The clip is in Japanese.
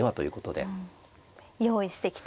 用意してきた。